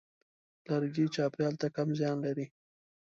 لرګی چاپېریال ته کم زیان لري.